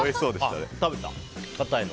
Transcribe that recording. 食べた？硬いの。